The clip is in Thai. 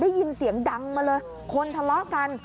ได้ยินเสียงดังมาเลยคนทะเลาะกัน